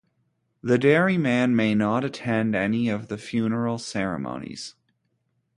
The dairyman may not attend any of the funeral ceremonies.